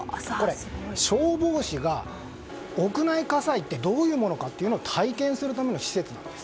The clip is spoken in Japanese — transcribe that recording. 消防士が屋内火災ってどういうものかを体験するための施設なんです。